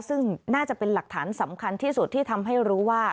ซึ่งน่าจะเป็นหลักฐานสำคัญที่สุดที่ทำให้รู้ว่า